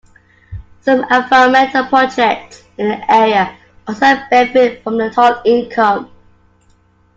Some environmental projects in the area also benefit from the toll income.